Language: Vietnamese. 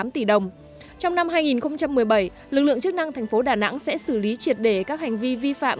một trăm sáu mươi tám tỷ đồng trong năm hai nghìn một mươi bảy lực lượng chức năng tp đà nẵng sẽ xử lý triệt để các hành vi vi phạm